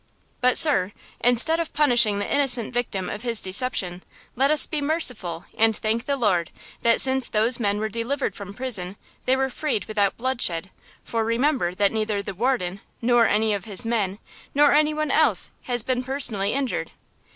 "But, sir, instead of punishing the innocent victim of his deception, let us be merciful and thank the Lord, that since those men were delivered from prison, they were freed without bloodshed; for remember that neither the warden nor any of his men, nor any one else has been personally injured."